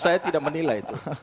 saya tidak menilai itu